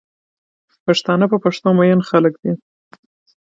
پښتانه په پښتو مئین خلک دی